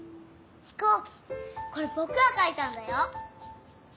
飛行機これ僕が描いたんだよ！